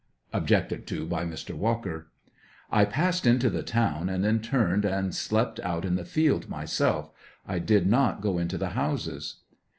(Objected to by Mr. Walker.) I passed into the town and then turned and slept out in the field myself; I did not go into the bouses.